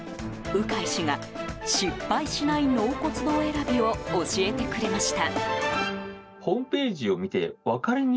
鵜飼氏が失敗しない納骨堂選びを教えてくれました。